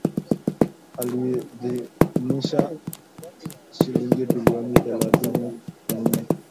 Aliidhinisha shilingi bilioni thelethini na nne.